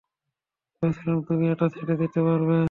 ভেবেছিলাম তুমি এটা ছেড়ে দিতে পারবে।